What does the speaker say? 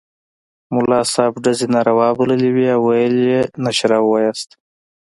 ملا صاحب ډزې ناروا بللې وې او ویل یې نشره ووایاست.